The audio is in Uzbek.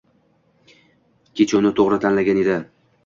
Kechuvni to‘g‘ri tanlagan edi